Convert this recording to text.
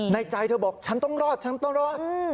ในใจเธอบอกฉันต้องรอดฉันต้องรอด